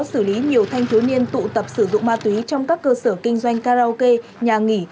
chúng tôi đã xử lý nhiều thanh thiếu niên tụ tập sử dụng ma túy trong các cơ sở kinh doanh karaoke nhà nghỉ